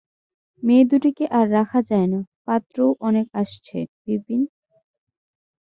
মেয়ে দুটিকে আর রাখা যায় না– পাত্রও অনেক আসছে– বিপিন।